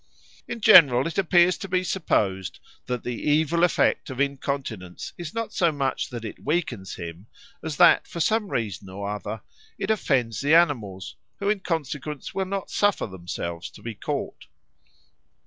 In general it appears to be supposed that the evil effect of incontinence is not so much that it weakens him, as that, for some reason or other, it offends the animals, who in consequence will not suffer themselves to be caught.